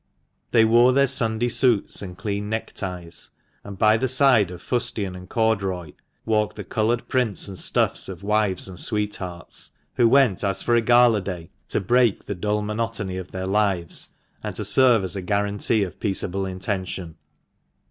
They wore their Sunday suits and clean neckties ; and by the side of fustian and corduroy walked the coloured prints and stuffs of wives and sweethearts, who went as for a gala day, to break the dull monotomy of their lives, and to serve as a guarantee of peaceable intention.